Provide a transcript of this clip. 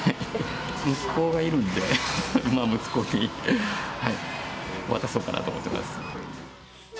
息子がいるんで、息子に渡そうかなと思っています。